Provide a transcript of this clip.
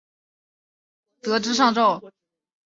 后为御史张仲炘得知上奏。